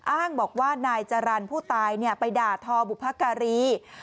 อ้างบอกว่านายจรรย์ผู้ตายไปด่าทอบุพการี